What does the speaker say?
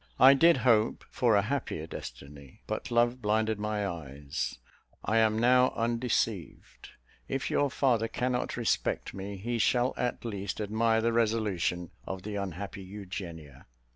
I did hope for a happier destiny; but love blinded my eyes: I am now undeceived. If your father cannot respect me, he shall at least admire the resolution of the unhappy Eugenia.